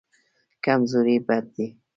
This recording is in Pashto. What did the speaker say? کمزوري بد دی.